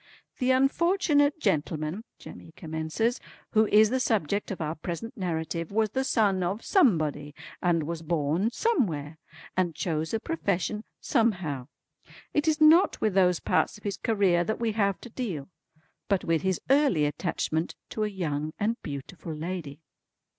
"The unfortunate gentleman" Jemmy commences, "who is the subject of our present narrative was the son of Somebody, and was born Somewhere, and chose a profession Somehow. It is not with those parts of his career that we have to deal; but with his early attachment to a young and beautiful lady."